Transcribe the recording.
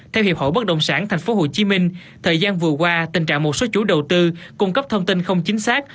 theo hiệp hội bất động sản tp hcm thời gian vừa qua tình trạng một số chủ đầu tư cung cấp thông tin không chính xác